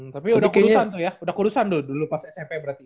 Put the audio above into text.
tapi udah kurusan tuh ya udah keurusan dulu pas smp berarti